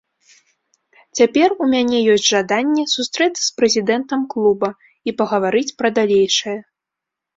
Цяпер у мяне ёсць жаданне сустрэцца з прэзідэнтам клуба і пагаварыць пра далейшае.